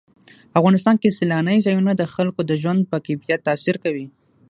په افغانستان کې سیلانی ځایونه د خلکو د ژوند په کیفیت تاثیر کوي.